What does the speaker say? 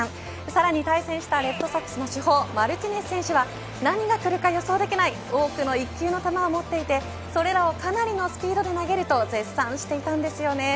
さらに対戦したレッドソックスの主砲マルティネス選手は何が来るか予想できない多くの一級の球を持っていてそれらをかなりのスピードで投げると絶賛していたんですね。